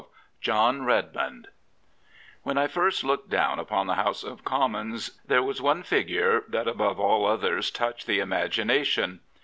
i05 JOHN REDMOND When I first looked down upon the House of Com mons there was one figure that above all others touched the imagination.